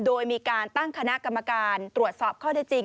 โดยมีการตั้งคณะกรรมการตรวจสอบข้อได้จริง